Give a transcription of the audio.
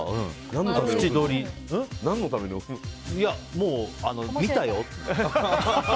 もう、見たよって。